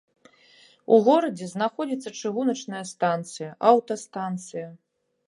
У горадзе знаходзіцца чыгуначная станцыя, аўтастанцыя.